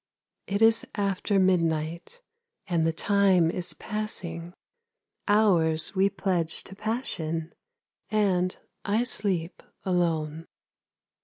It is after midnight And the time is passing, Hours we pledged to passion And I sleep alone.